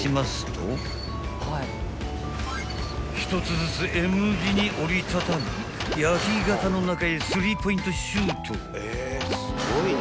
［１つずつＭ字に折り畳み焼き型の中へスリーポイントシュート］